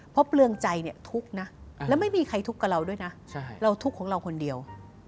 เพราะเปลืองใจเนี่ยทุกข์นะแล้วไม่มีใครทุกข์กับเราด้วยนะเราทุกข์ของเราคนเดียว